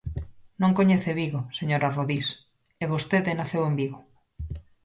Non coñece Vigo, señora Rodís, e vostede naceu en Vigo.